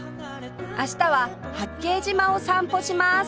明日は八景島を散歩します